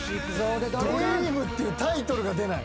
『Ｄｒｅａｍ』っていうタイトルが出ない。